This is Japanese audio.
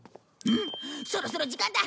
そろそろ時間だ！